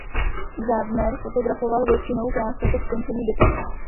Gardner fotografoval většinou krátce po skončení bitev.